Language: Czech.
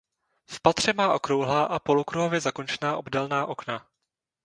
V patře má okrouhlá a polokruhově zakončená obdélná okna.